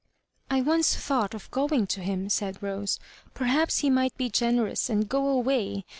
I once thougrht of going to him/* said Rose; "perhaps he might be generous, and go away.